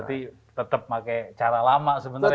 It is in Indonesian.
berarti tetap pakai cara lama sebenarnya ya mas